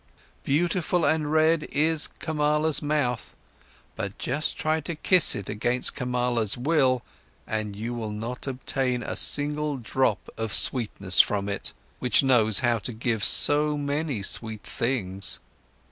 Beautiful and red is Kamala's mouth, but just try to kiss it against Kamala's will, and you will not obtain a single drop of sweetness from it, which knows how to give so many sweet things!